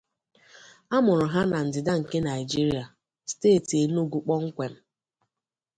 A mụrụ ha na ndịda nke Nigeria, steeti Enugwu kpọmkwem.